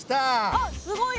あっすごいよ。